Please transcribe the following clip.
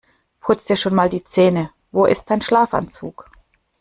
Putz dir schon mal die Zähne. Wo ist dein Schlafanzug?